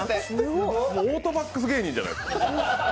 もうオートバックス芸人じゃないですか。